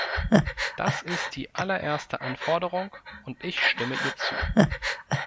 Das ist die allererste Anforderung, und ich stimme ihr zu.